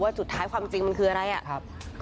ว่าสุดท้ายความจริงคืออะไรอะ